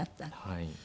はい。